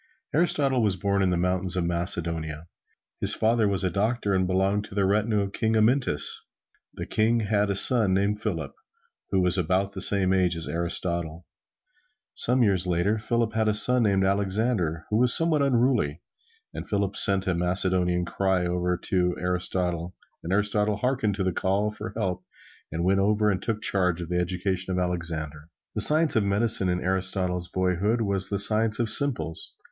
Aristotle was born in the mountains of Macedonia. His father was a doctor and belonged to the retinue of King Amyntas. The King had a son named Philip, who was about the same age as Aristotle. Some years later, Philip had a son named Alexander, who was somewhat unruly, and Philip sent a Macedonian cry over to Aristotle, and Aristotle harkened to the call for help and went over and took charge of the education of Alexander. The science of medicine in Aristotle's boyhood was the science of simples.